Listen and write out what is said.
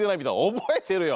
覚えてるよ！